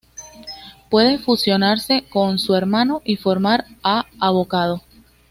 Puede fusionarse con su hermano y formar a Abocado.